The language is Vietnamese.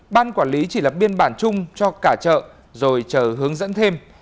ban quản lý chỉ lập biên bản chung cho cả chợ rồi chờ hướng dẫn thêm